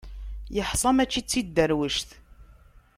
Yeḥṣa mačči d tiderwect.